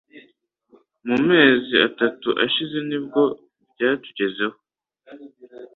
mu mezi atatu ashize nibwo byatugezeho